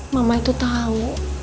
mama itu tau